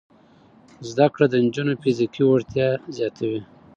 زده کړه د نجونو فزیکي وړتیا زیاتوي.